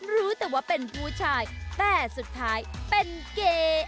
รู้แต่ว่าเป็นผู้ชายแต่สุดท้ายเป็นเก๋